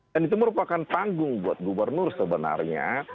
itu merupakan panggung buat gubernur sebenarnya